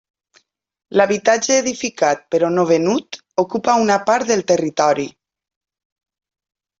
L'habitatge edificat però no venut ocupa una part del territori.